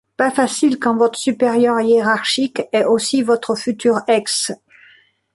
Pas facile, quand votre supérieur hiérarchique est aussi votre futur ex.